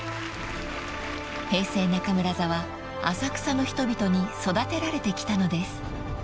［平成中村座は浅草の人々に育てられてきたのです］